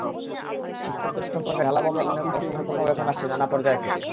শিক্ষকদের সম্পর্কে ঢালাওভাবে অনেক অশোভন কথাও এখন আসছে নানা পর্যায় থেকে।